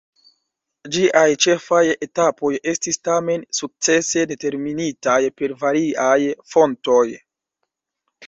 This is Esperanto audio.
Ĝiaj ĉefaj etapoj estis tamen sukcese determinitaj per variaj fontoj.